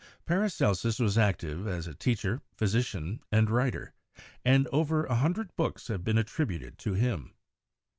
Paracelsus was active as a teacher, physician and writer, and over a hundred books have been attributed to him.